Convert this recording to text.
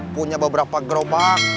punya beberapa gerobak